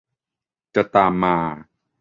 จะตามมา